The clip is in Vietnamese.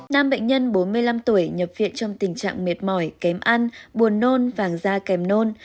nam bệnh nhân bốn mươi năm tuổi nhập viện trong tình trạng mệt mỏi kém ăn buồn nôn vàng da kém nôn